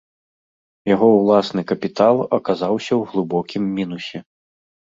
Яго ўласны капітал аказаўся ў глыбокім мінусе.